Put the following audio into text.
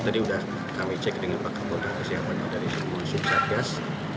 tadi sudah kami cek dengan pakapodah persiapan dari semua sub sargas